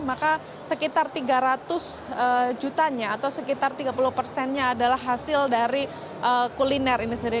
maka sekitar tiga ratus jutanya atau sekitar tiga puluh persennya adalah hasil dari kuliner ini sendiri